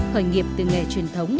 khởi nghiệp từ nghề truyền thống